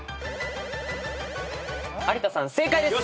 有田さん正解です。